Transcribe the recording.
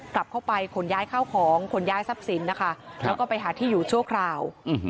กลับเข้าไปขนย้ายข้าวของขนย้ายทรัพย์สินนะคะแล้วก็ไปหาที่อยู่ชั่วคราว